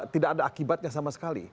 tidak ada akibatnya sama sekali